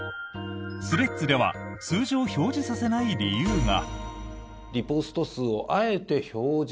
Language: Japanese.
スレッズでは数字を表示させない理由が。